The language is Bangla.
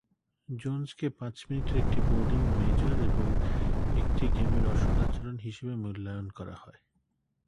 জোন্সকে পাঁচ মিনিটের একটি বোর্ডিং মেজর এবং একটি গেমের অসদাচরণ হিসাবে মূল্যায়ন করা হয়।